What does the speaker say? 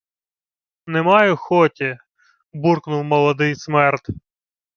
— Не маю хоті, — буркнув молодий смерд.